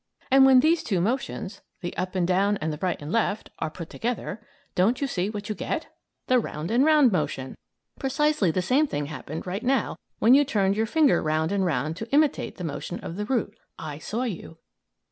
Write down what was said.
And when these two motions the up and down and right and left are put together, don't you see what you get? The round and round motion! Precisely the same thing happened right now when you turned your finger round and round to imitate the motion of the root. (I saw you!)